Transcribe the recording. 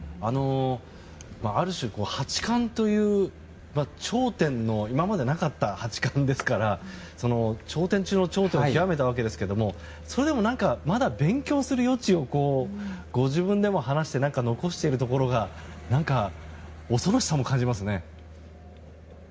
ある種、八冠という頂点の今までなかった八冠ですから頂点中の頂点を極めたわけですけどもそれでもまだ勉強する余地をご自分でも話していて残されている感じが何か、恐ろしさも感じますね。